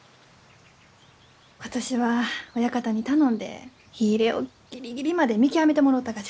今年は親方に頼んで火入れをギリギリまで見極めてもろうたがじゃ。